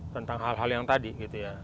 tentang hal hal yang tadi gitu ya